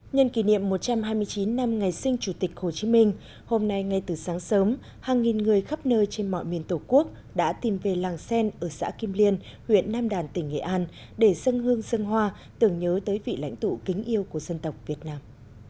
nhân kỷ niệm một trăm hai mươi chín năm ngày sinh chủ tịch hồ chí minh hôm nay ngay từ sáng sớm hàng nghìn người khắp nơi trên mọi miền tổ quốc đã tìm về làng sen ở xã kim liên huyện nam đàn tỉnh nghệ an để dân hương dân hoa tưởng nhớ tới vị lãnh tụ kính yêu của dân tộc việt nam